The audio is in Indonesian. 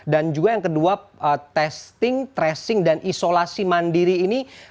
dan juga yang kedua testing tracing dan isolasi mandiri ini